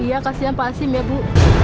iya kasian pak asim ya bu